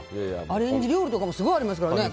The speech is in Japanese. アレンジ料理とかもすごいありますからね